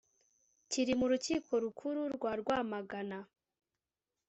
kiri mu rukiko rukuru rwa rwamagana